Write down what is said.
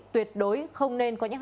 tuyệt đối không nên có nhắc hành